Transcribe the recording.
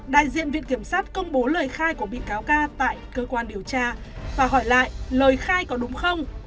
đại diện viện kiểm sát công bố lời khai của bị cáo ca tại cơ quan điều tra và hỏi lại lời khai có đúng không